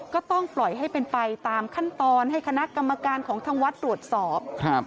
ก็ต้องปล่อยให้เป็นไปตามขั้นตอนให้คณะกรรมการของทางวัดตรวจสอบ